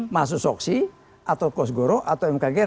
masuk soksi atau kos goro atau mkgr